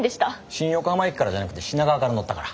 新横浜駅からじゃなくて品川から乗ったから。